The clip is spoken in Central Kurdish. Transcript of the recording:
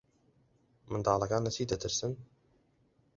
منداڵەکان لە چی دەترسن؟